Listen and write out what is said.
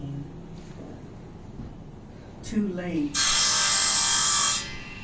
TOO LATE.